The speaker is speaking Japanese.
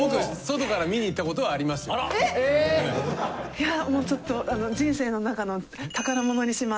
いやもうちょっと。